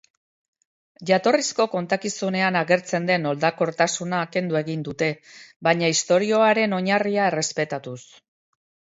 Jatorrizko kontakizunean agertzen den oldarkortasuna kendu egin dute baina istorioaren oinarria errespetatuz.